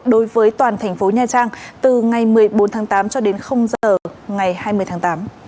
đối với toàn thành phố nha trang từ ngày một mươi bốn tháng tám cho đến giờ ngày hai mươi tháng tám